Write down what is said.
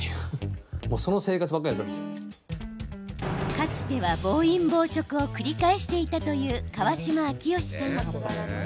かつては暴飲暴食を繰り返していたという川島章良さん。